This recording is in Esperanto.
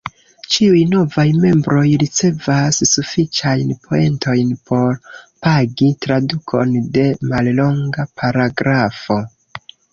Ĉiuj novaj membroj ricevas sufiĉajn poentojn por "pagi" tradukon de mallonga paragrafo.